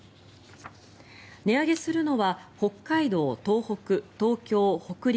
値上げするのは北海道、東北、東京、北陸